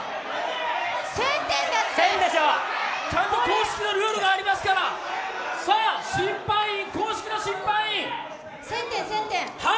ちゃんと公式のルールがありますから、公式の審判員。